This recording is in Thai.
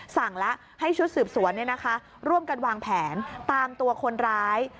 สั่งแล้วให้ชุดสืบสวนร่วมกันวางแผนตามตัวคนร้าย